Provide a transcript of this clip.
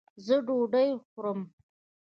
ځه ډوډي خورم